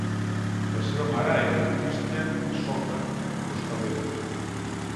La seva mare era Christiane Sollmann, l'hostalera.